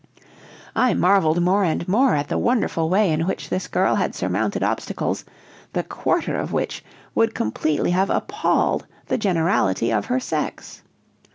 I marveled more and more at the wonderful way in which this girl had surmounted obstacles, the quarter of which would completely have appalled the generality of her sex.